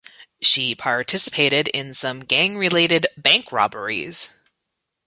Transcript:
She participated in some gang related bank robberies.